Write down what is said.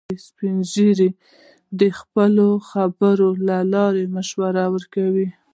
سپین ږیری د خپلو خبرو له لارې مشوره ورکوي